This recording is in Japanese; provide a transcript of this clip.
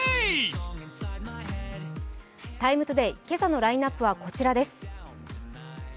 「ＴＩＭＥ，ＴＯＤＡＹ」、今朝のラインナップはこちらです。